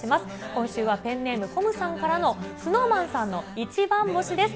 今週はペンネーム、ぽむさんからのＳｎｏｗＭａｎさんのイチバンボシです。